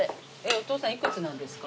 お父さん幾つなんですか？